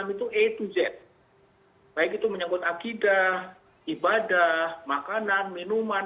kita harus menghidupkan ruang tanah dengan dingin